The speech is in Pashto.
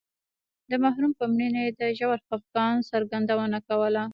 د مرحوم په مړینه یې د ژور خفګان څرګندونه کوله.